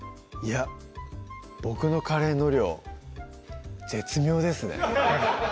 いや僕のカレーの量絶妙ですね